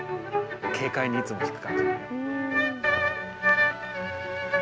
軽快にいつも弾く感じ。